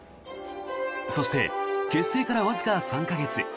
そして、結成からわずか３か月。